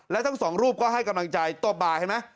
และทั้งสองรูปก็ให้กำลังใจตบบาเห็นไหม